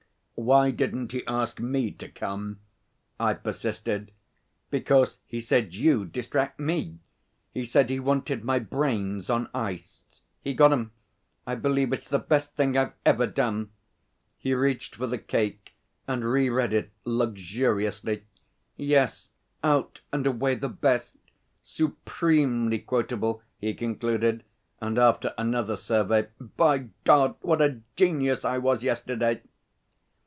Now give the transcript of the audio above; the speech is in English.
'Why didn't he ask me to come?' I persisted. 'Because he said you'd distract me. He said he wanted my brains on ice. He got 'em. I believe it's the best thing I've ever done.' He reached for The Cake and re read it luxuriously. 'Yes, out and away the best supremely quotable,' he concluded, and after another survey 'By God, what a genius I was yesterday!'